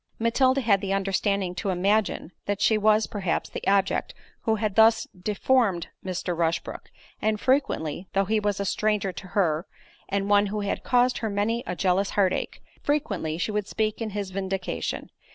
Matilda had the understanding to imagine, that she was, perhaps, the object who had thus deformed Mr. Rushbrook, and frequently (though he was a stranger to her, and one who had caused her many a jealous heart ache) frequently she would speak in his vindication.